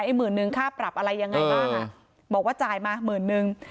หมื่นนึงค่าปรับอะไรยังไงบ้างอ่ะบอกว่าจ่ายมาหมื่นนึง